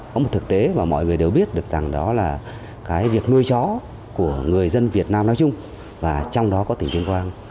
có một thực tế mà mọi người đều biết được rằng đó là cái việc nuôi chó của người dân việt nam nói chung và trong đó có tỉnh tuyên quang